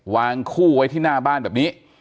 วางคู่ไว้นะบ้านแบบนี้